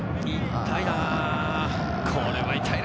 痛いな。